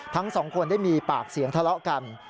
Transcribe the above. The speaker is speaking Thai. ทั้งสองคนได้มีปากเสียงทะเลาะกัน